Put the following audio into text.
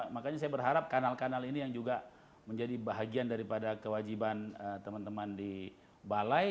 makanya saya berharap kanal kanal ini yang juga menjadi bahagian daripada kewajiban teman teman di balai